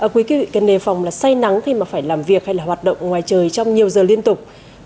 quý vị nề phòng say nắng khi phải làm việc hay hoạt động ngoài trời trong nhiều giờ liên tục